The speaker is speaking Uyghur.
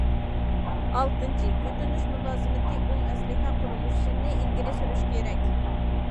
ئالتىنچى، كۈتۈنۈش مۇلازىمىتى ئۇل ئەسلىھە قۇرۇلۇشىنى ئىلگىرى سۈرۈش كېرەك.